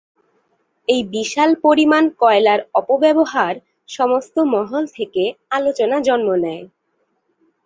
এই বিশাল পরিমাণ কয়লার অপব্যবহার সমস্ত মহল থেকে আলোচনা জন্ম নেয়।